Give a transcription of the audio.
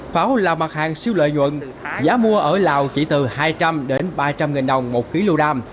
pháo là mặt hàng siêu lợi nhuận giá mua ở lào chỉ từ hai trăm linh ba trăm linh nghìn đồng một khí lưu đam